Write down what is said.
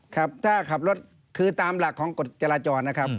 ครับถ้าขับรถคือตามหลักของกฎจราจรนะครับ